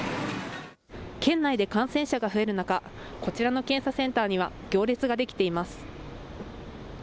県内で感染者が増える中、こちらの検査センターには行列が出来ています。